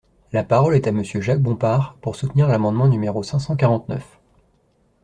La parole est à Monsieur Jacques Bompard, pour soutenir l’amendement numéro cinq cent quarante-neuf.